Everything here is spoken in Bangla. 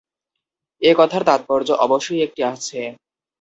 এ-কথার তাৎপর্য অবশ্যই একটি আছে।